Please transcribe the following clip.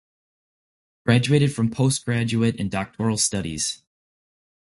Graduated from postgraduate and doctoral studies.